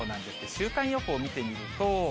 週間予報見てみると。